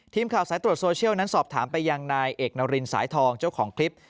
ทีมข่าวสายตรวจโซเชียลนั้นสอบถามไปยังนายเอกนารินสายทองเจ้าของคลิป